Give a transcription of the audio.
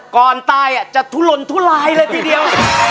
ก่อนตายจะทุลนทุลายเลยทีเดียว